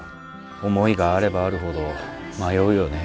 思いがあればあるほど迷うよね。